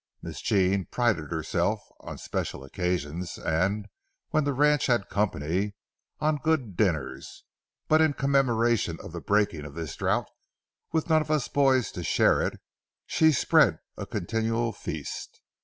Miss Jean prided herself, on special occasions and when the ranch had company, on good dinners; but in commemoration of the breaking of this drouth, with none but us boys to share it, she spread a continual feast.